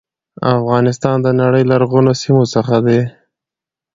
افغانستان د نړی د لرغونو سیمو څخه دی.